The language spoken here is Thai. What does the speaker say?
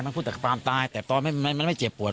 มันพูดแต่ความตายแต่ตอนมันไม่เจ็บปวด